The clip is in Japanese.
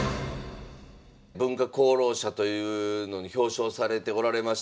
文化功労者というのに表彰されておられました。